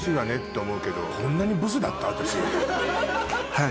はい。